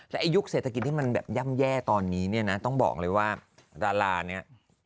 ไอ้ยุคเศรษฐกิจที่มันแบบย่ำแย่ตอนนี้เนี่ยนะต้องบอกเลยว่าดาราเนี่ย